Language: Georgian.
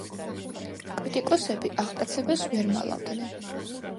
კრიტიკოსები აღტაცებას ვერ მალავდნენ.